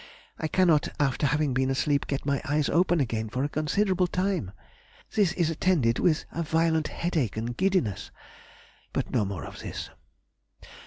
I cannot, after having been asleep, get my eyes open again for a considerable time, this is attended with a violent headache and giddiness—but no more of this.